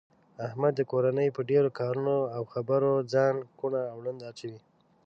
احمد د کورنۍ په ډېرو کارونو او خبرو ځان کوڼ او ړوند اچوي.